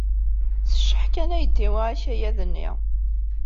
S cceḥ kan ay d-tewwi akayad-nni.